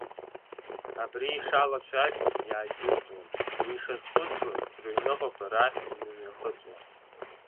Абри ишалацәажәоз иааидыҵуан, уи ишазхәыцуаз рыҩныҟақәа рахь инымҩахыҵуан.